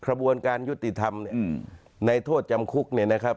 กระบวนการยุติธรรมเนี่ยในโทษจำคุกเนี่ยนะครับ